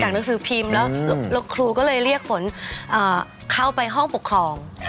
หนังสือพิมพ์แล้วครูก็เลยเรียกฝนเข้าไปห้องปกครอง